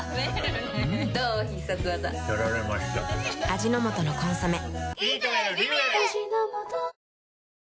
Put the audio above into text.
味の素の「コンソメ」